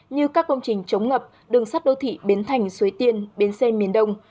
như các công trình chống ngập đường sắt đô thị biến thành suối tiên bến xe miền đông